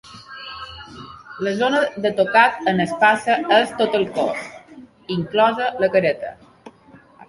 La zona de tocat en espasa és tot el cos, inclosa la careta.